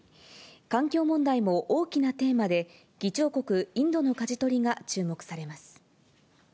環境問題も大きなテーマで、議長国インドのかじ取りが注目されます。